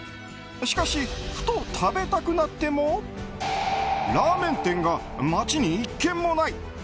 しかし、ふと食べたくなってもラーメン店が町に一軒もない。